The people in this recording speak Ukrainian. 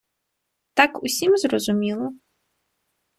Так усім зрозуміло?